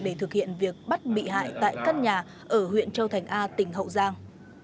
để thực hiện việc bắt bị hại tại căn nhà ở huyện châu thành a tỉnh hậu giang